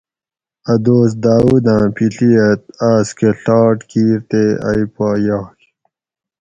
اۤ دوس داؤداۤں پیڷی ھہ آس کہ ڷاٹ کِیر تے ائ پا یاگ